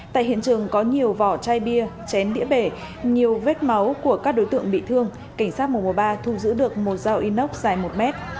tại hiện trường có nhiều vỏ chai bia chén đĩa bể nhiều vết máu của các đối tượng bị thương cảnh sát mùa mùa ba thu giữ được một dao inox dài một mét